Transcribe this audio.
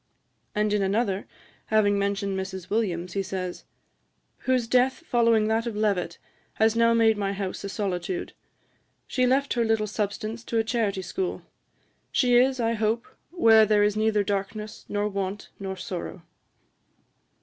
And in another, having mentioned Mrs. Williams, he says, 'whose death following that of Levett, has now made my house a solitude. She left her little substance to a charity school. She is, I hope, where there is neither darkness, nor want, nor sorrow.'